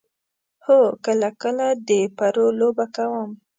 هو، کله کله د پرو لوبه کوم